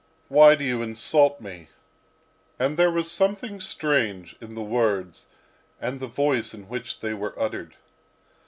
Why do you insult me?" And there was something strange in the words and the voice in which they were uttered.